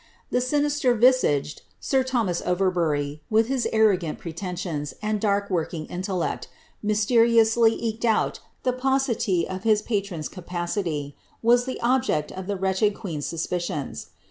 The sinister ▼isaged sir Thomas Overbury, with his arrogant pretensions, and dark working intellect, mysteriously eking out the paucity of his patron's capacity, was the object of the wretched queen's suspicions.